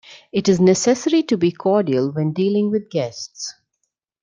It is necessary to be cordial when dealing with guests.